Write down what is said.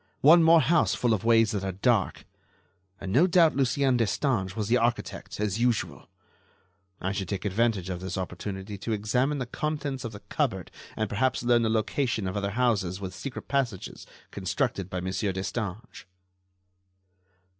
One more house full of ways that are dark! And no doubt Lucien Destange was the architect, as usual!... I should take advantage of this opportunity to examine the contents of the cupboard and perhaps learn the location of other houses with secret passages constructed by Monsieur Destange."